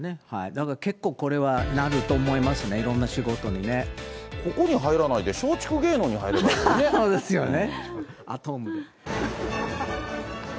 だから結構これは、なると思いますね、いろんなここに入らないで、松竹芸能そうですよね。